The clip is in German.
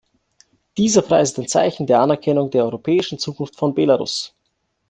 Dieser Preis ist ein Zeichen der Anerkennung der europäischen Zukunft von Belarus.